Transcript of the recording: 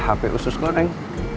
hp usus kau neng